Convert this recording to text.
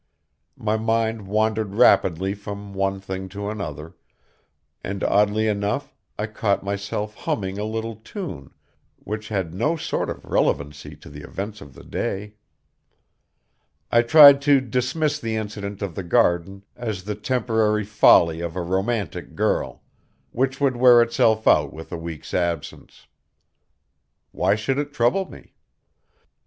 My mind wandered rapidly from one thing to another, and oddly enough I caught myself humming a little tune which had no sort of relevancy to the events of the day. I tried to dismiss the incident of the garden as the temporary folly of a romantic girl, which would wear itself out with a week's absence. Why should it trouble me?